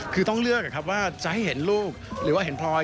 คือต้องเลือกว่าจะให้เห็นลูกหรือว่าเห็นพลอย